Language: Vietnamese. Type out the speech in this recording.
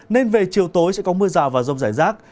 nên về chiều tối sẽ có mưa rào và rông rải rác